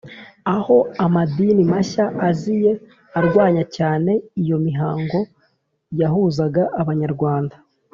aho amadini mashya aziye arwanya cyane iyo mihango yahuzaga abanyarwanda.